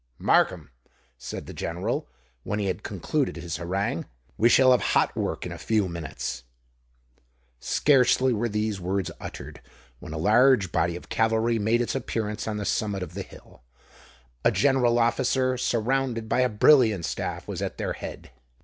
"Markham," said the General, when he had concluded his harangue, "we shall have hot work in a few minutes." Scarcely were these words uttered, when a large body of cavalry made its appearance on the summit of the hill. A general officer, surrounded by a brilliant staff, was at their head.